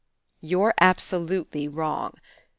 "You're absolutely wrong!